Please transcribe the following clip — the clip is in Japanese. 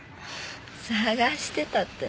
捜してたって